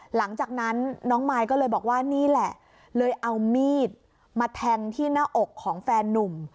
หลังจากนั้นน้องมายก็เลยบอกว่านี่แหละเลยเอามีดมาแทงที่หน้าอกของแฟนนุ่ม